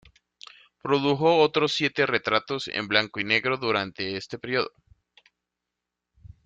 Produjo otros siete retratos en blanco y negro durante este periodo.